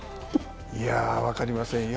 いやあ分かりませんよ